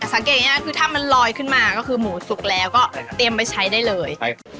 สังเกตง่ายคือถ้ามันลอยขึ้นมาก็คือหมูสุกแล้วก็เตรียมไปใช้ได้เลย